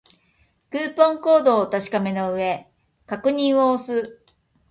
クーポンコードをお確かめの上、確認を押す